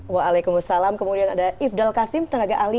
waalaikumsalam kemudian ada ifdal kasim tenaga ahli